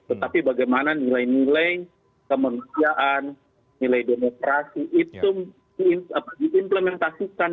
tetapi bagaimana nilai nilai kemanusiaan nilai demokrasi itu diimplementasikan